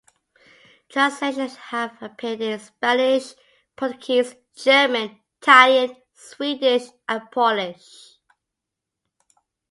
Translations have appeared in Spanish, Portuguese, German, Italian, Swedish and Polish.